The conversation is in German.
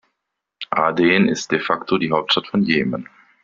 Aden ist de facto die Hauptstadt von Jemen.